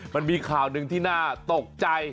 มันมีข่าวหนึ่งที่น่าตกใจ